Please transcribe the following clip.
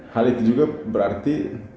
hal itu juga berarti